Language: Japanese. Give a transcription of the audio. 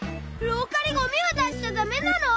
ろうかにゴミをだしちゃだめなの？